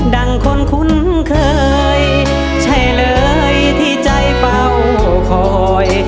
ดังคนคุ้นเคยใช่เลยที่ใจเป้าคอย